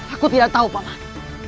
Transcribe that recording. aku tidak tahu pak mah